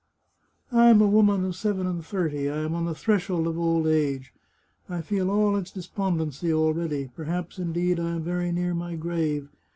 "I am a woman of seven and thirty ; I am on the threshold of old age. I feel all its despondency already; perhaps, indeed, I am very near my grave.